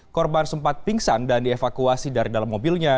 korban sempat pingsan dan dievakuasi dari dalam mobilnya